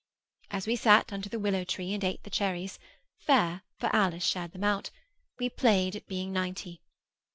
As we sat under the willow tree and ate the cherries (fair, for Alice shared them out), we played at being ninety.